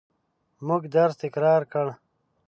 موږ درس تکرار کړ.